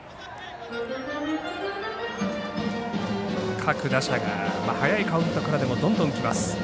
各打者が早いカウントからでもどんどんきます。